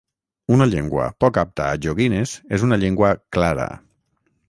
Una llengua «poc apta a joguines» és una llengua «clara».